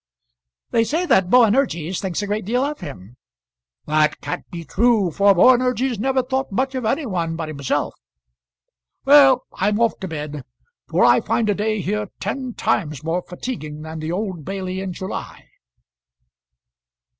"They say that Boanerges thinks a great deal of him." "That can't be true, for Boanerges never thought much of any one but himself. Well, I'm off to bed, for I find a day here ten times more fatiguing than the Old Bailey in July."